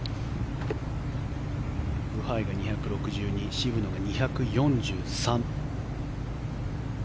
ブハイが２６２渋野が２４３。